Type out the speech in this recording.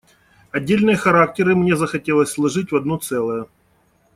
Отдельные характеры мне захотелось сложить в одно целое.